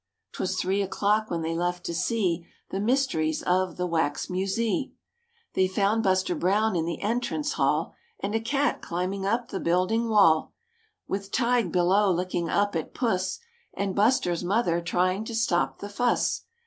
'Twas three o'clock when they left to see The mysteries of the Wax Musee. THE BEARS SEE THE WAX MUSEE 37 They found Buster Brown in the entrance hall And a cat climbing up the building wall With Tige below looking up at puss And Buster's mother trying to stop the fuss.